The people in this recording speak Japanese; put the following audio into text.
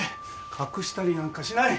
隠したりなんかしない！